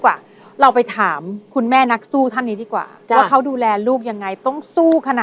จนถึงวันนี้มาม้ามีเงิน๔ปี